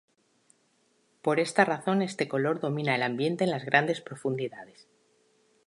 Por esta razón este color domina el ambiente en las grandes profundidades.